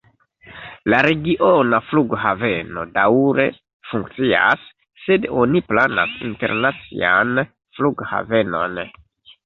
La regiona flughaveno daŭre funkcias, sed oni planas internacian flughavenon.